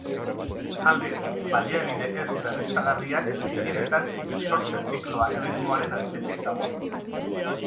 Aldiz, baliabide ez berriztagarriak gehienetan birsortze zikloa erritmoaren azpitik dago.